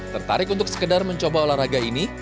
tertarik untuk sekedar mencoba olahraga ini